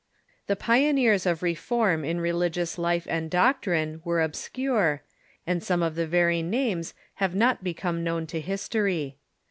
The pioneers of reform in religious life and doctrine were obscure, and some of the very names have not become known to history.